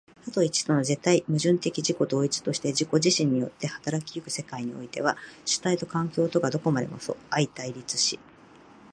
多と一との絶対矛盾的自己同一として自己自身によって動き行く世界においては、主体と環境とがどこまでも相対立し、